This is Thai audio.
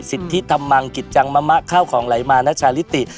สิทธิธรรมมังกิจจังมะมะข้าวของไหลมาณชาลิติ